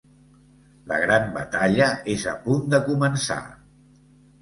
La gran batalla és a punt de començar!